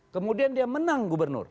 kemudian dia menang gubernur